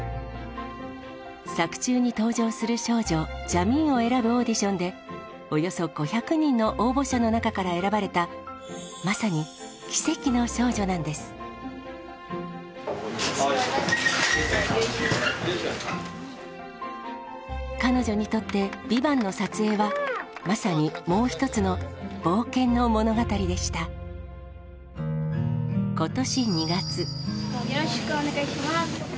作中に登場する少女ジャミーンを選ぶオーディションでおよそ５００人の応募者の中から選ばれたまさに奇跡の少女なんです彼女にとって「ＶＩＶＡＮＴ」の撮影はまさにもう一つの冒険の物語でした今年２月よろしくお願いします